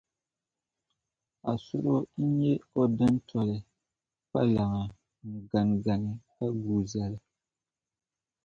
Asuro n-yɛ o dintoli kpalaŋa n-ganigani ka guui zali.